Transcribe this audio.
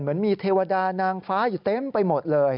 เหมือนมีเทวดานางฟ้าอยู่เต็มไปหมดเลย